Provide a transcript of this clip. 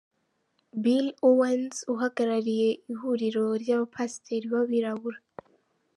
Bill Owens uhagarariye ihuriro ryAbapasiteri b’Abirabura.